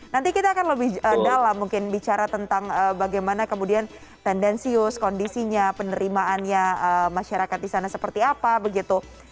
nanti kita akan lebih dalam mungkin bicara tentang bagaimana kemudian tendensius kondisinya penerimaannya masyarakat di sana seperti apa begitu